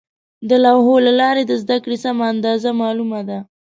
د لوحو له لارې د زده کړې سمه اندازه معلومېده.